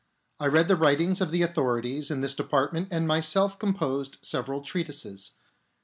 I read the writings of the authorities in this department and myself composed several treatises.